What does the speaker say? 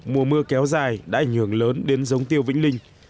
mùa mưa kéo dài đã ảnh hưởng lớn đến giống tiêu vĩnh linh